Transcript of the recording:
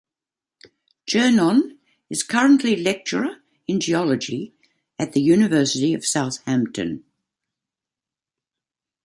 Gernon is currently lecturer in geology at the University of Southampton.